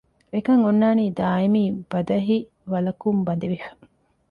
އެކަން އޮންނާނީ ދާއިމީ ބަދަހި ވަލަކުން ބަނދެވިފަ